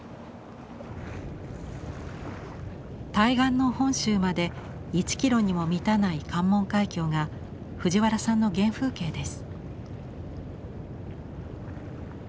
対岸の本州まで１キロにも満たない関門海峡が藤原さんの原風景です。